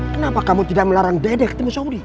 kenapa kamu tidak melarang dede ketemu saya